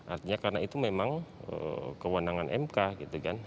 artinya karena itu memang kewenangan mk gitu kan